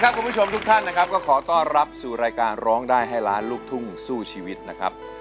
คุณผู้ชมทุกท่านนะครับก็ขอต้อนรับสู่รายการร้องได้ให้ล้านลูกทุ่งสู้ชีวิตนะครับ